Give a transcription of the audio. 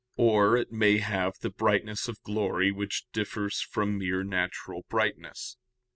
Or it may have the brightness of glory which differs from mere natural brightness.